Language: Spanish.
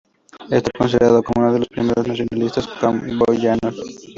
Está considerado como uno de los primeros nacionalistas camboyanos.